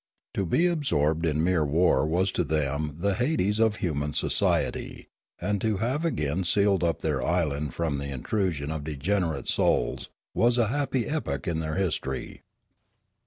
To be absorbed in mere war was to them the hades of human society, and to have again sealed up their island from the intrusion of degenerate souls was a happy epoch in their history.